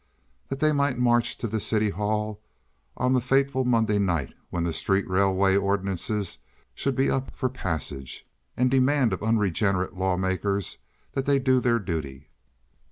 That they might march to the city hall on the fateful Monday night when the street railway ordinances should be up for passage and demand of unregenerate lawmakers that they do their duty.